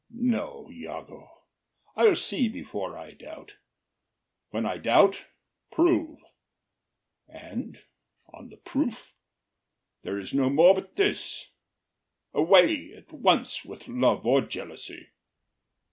No, Iago, I’ll see before I doubt; when I doubt, prove; And on the proof, there is no more but this: Away at once with love or jealousy!